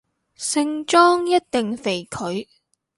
聖莊一定肥佢